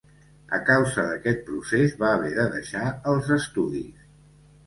A causa d'aquest procés va haver de deixar els estudis.